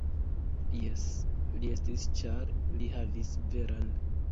Jes, li estis ĉar li havis veran.